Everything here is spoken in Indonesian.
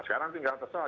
sekarang tinggal terserah